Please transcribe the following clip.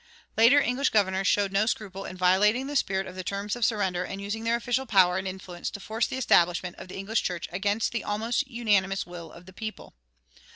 Later English governors showed no scruple in violating the spirit of the terms of surrender and using their official power and influence to force the establishment of the English church against the almost unanimous will of the people.